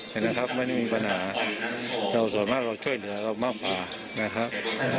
เห็นไหมครับไม่ได้มีปัญหาเราส่วนมากเราช่วยเหลือเรามากกว่านะครับ